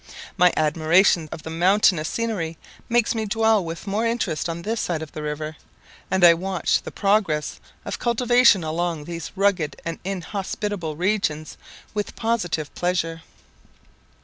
My admiration of mountainous scenery makes me dwell with more interest on this side the river, and I watch the progress of cultivation along these rugged and inhospitable regions with positive pleasure.